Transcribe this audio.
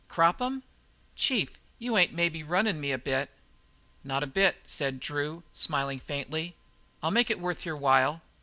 "Crop 'em? Chief, you ain't maybe runnin' me a bit?" "Not a bit," said Drew, smiling faintly. "I'll make it worth your while."